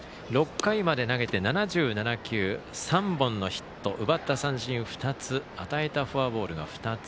６回まで投げて７７球３本のヒット奪った三振２つ与えたフォアボールが２つ。